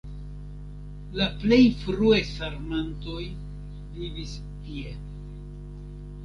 La plej frue sarmatoj vivis tie.